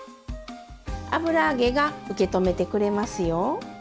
油揚げが受け止めてくれますよ。